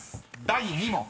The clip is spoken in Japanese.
第２問］